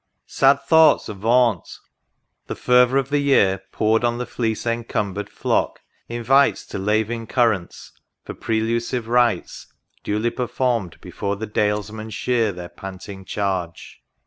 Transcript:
Sad thoughts, avaunt !— the fervour of the year. Poured on the fleece encumbered flock, invites To laving currents, for prelusive rites Duly performed before the Dales men shear Their panting charge.